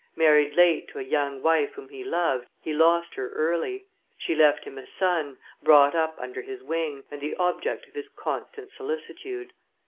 Married late to a young wife whom he loved, he lost her early; she left him a son, brought up under his wing, and the object of his constant solicitude.